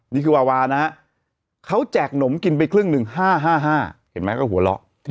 นี่คือวาวานะฮะเขาแจกหนมกินไปครึ่งหนึ่ง๕๕เห็นไหมก็หัวเราะ